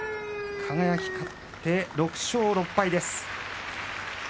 輝、勝って、６勝６敗です。